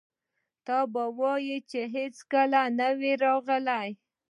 ته به وایې چې هېڅکله نه و راغلي.